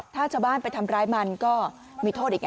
ถ้าชาวบ้านไปทำร้ายมันก็มีโทษอีก